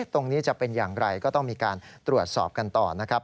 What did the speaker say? ตรงนี้จะเป็นอย่างไรก็ต้องมีการตรวจสอบกันต่อนะครับ